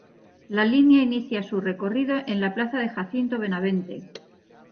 La línea inicia su recorrido en la Plaza de Jacinto Benavente.